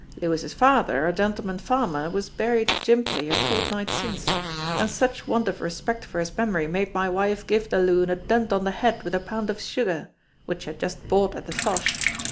Lewis's father, a gentleman farmer, was buried jimply a fortnight since, and such want of respect for his memory made my wife give the loon a dunt on the head with a pound of sugar, which she had just bought at the 'Sosh.